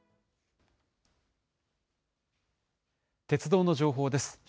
鉄道の情報です。